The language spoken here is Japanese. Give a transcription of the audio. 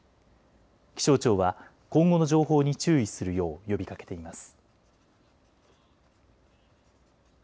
気象庁は今後の情報に注意するよう呼びかけています。